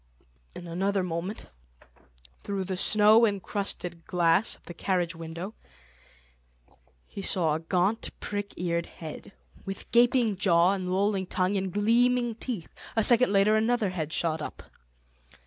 In another moment, through the snow encrusted glass of the carriage window, he saw a gaunt prick eared head, with gaping jaw and lolling tongue and gleaming teeth; a second later another head shot up.